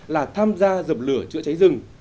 là tham gia dập lửa chữa cháy rừng